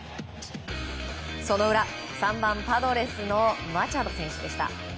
その裏、３番パドレスのマチャド選手でした。